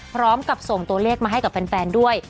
พร้อมกับส่งตัวเลขมาให้กับแฟนด้วย